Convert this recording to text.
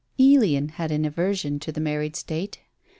Ælian had an aversion to the married state.